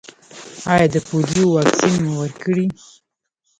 ایا د پولیو واکسین مو ورکړی؟